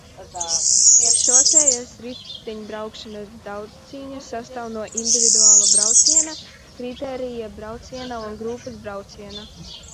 Šosejas riteņbraukšanas daudzcīņa sastāv no individuālā brauciena, kritērija brauciena un grupas brauciena.